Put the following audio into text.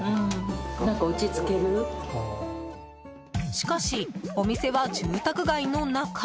しかし、お店は住宅街の中。